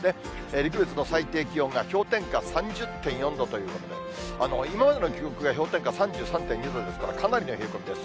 陸別の最低気温が氷点下３０．４度ということで、今までの記録が氷点下３３．２度ですから、かなりの冷え込みです。